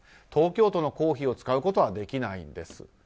東京都の公費を使うことはできないんです。